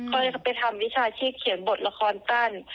เขาจะไปทำวิชาชีพเขียนบทละครสั้น